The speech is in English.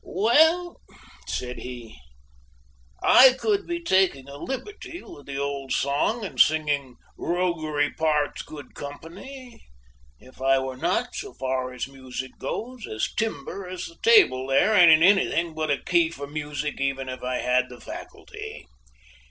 "Well," said he, "I could be taking a liberty with the old song and singing 'Roguery Parts Good Company' if I were not, so far as music goes, as timber as the table there and in anything but a key for music even if I had the faculty.